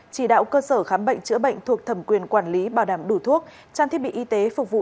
chỉ đạo cơ sở khám bệnh chữa bệnh thuộc thẩm quyền quản lý bảo đảm đủ thuốc trang thiết bị y tế phục vụ